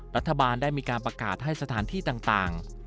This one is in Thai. รัฐบาลได้มีการประกาศให้สถานที่ต่าง